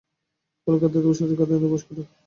ফলে খাদ্যদ্রব্য সরাসরি খাদ্যনালীতে প্রবেশ করে।